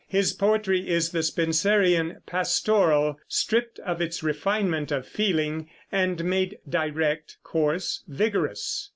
His poetry is the Spenserian pastoral stripped of its refinement of feeling and made direct, coarse, vigorous.